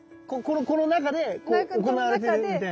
この中でこう行われてるみたいな。